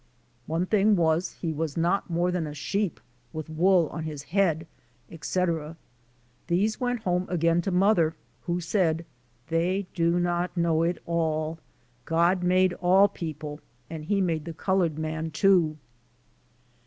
One thing was he was not more than a sheep, with wool on his head, etc. These went home again to mother, who said, "They do not know it all ŌĆö God made all people and he made the colored man too."